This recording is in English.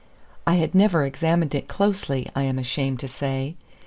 I had never examined it closely, I am ashamed to say.